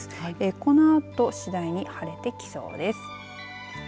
このあと、次第に晴れてきそうです。